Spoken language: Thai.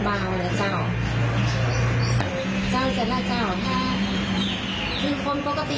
ถ้าเขารูกเด็ดไปป่วยให้อีกนิดกว่ากับนี่